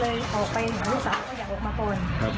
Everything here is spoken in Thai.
ลูกสาวก็อยากออกมาก่อน